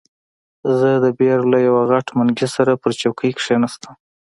زه د بیر له یوه غټ منګي سره پر چوکۍ کښېناستم.